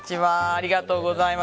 ありがとうございます。